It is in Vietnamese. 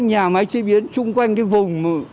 nhà máy chế biến chung quanh cái vùng